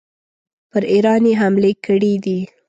پر ایران یې حملې کړي دي.